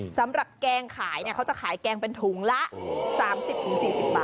แกงขายเขาจะขายแกงเป็นถุงละ๓๐๔๐บาท